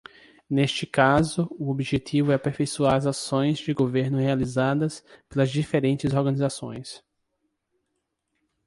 Neste caso, o objetivo é aperfeiçoar as ações de governo realizadas pelas diferentes organizações.